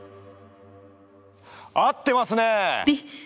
合ってますね！